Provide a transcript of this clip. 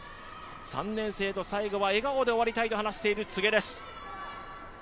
３年生と最後は笑顔で終わりたいと話している柘植です。